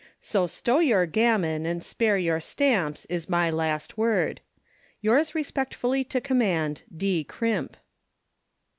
So stow your gammon, and spare your stamps, is my last word.—Yours respectfully to command, D. CRIMP.